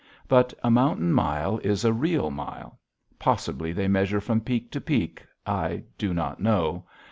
But a mountain mile is a real mile. Possibly they measure from peak to peak. I do not know.